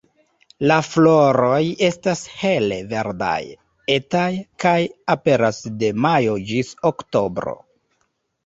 La floroj estas hele verdaj, etaj, kaj aperas de majo ĝis oktobro.